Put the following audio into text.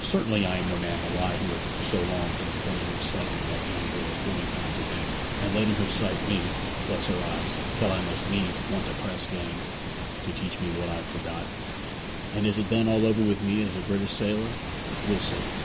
'Certainly, I am no man to lie here so long for the pleasure of sighting that young girl forty times a day, and letting her sight me bless her eyes! till I must needs want a press gang to teach me what I've forgot. And is it then all over with me as a British sailor? We'll see.'